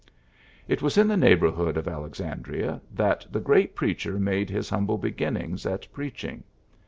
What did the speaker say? It was in the neighborhood of Alexan dria that the great preacher made his humble beginnings at preaching.